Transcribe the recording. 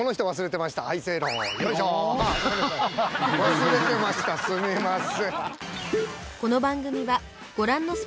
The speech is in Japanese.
忘れてましたすみません。